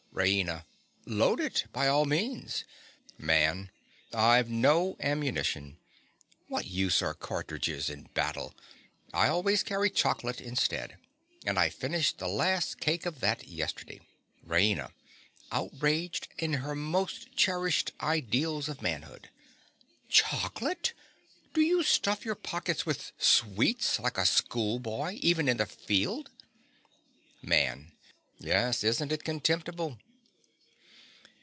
_) RAINA. Load it by all means. MAN. I've no ammunition. What use are cartridges in battle? I always carry chocolate instead; and I finished the last cake of that yesterday. RAINA. (outraged in her most cherished ideals of manhood). Chocolate! Do you stuff your pockets with sweets—like a schoolboy—even in the field? MAN. Yes. Isn't it contemptible?